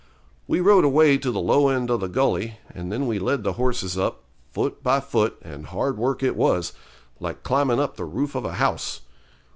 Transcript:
We rode away to the low end of the gully, and then we led the horses up, foot by foot, and hard work it was like climbing up the roof of a house.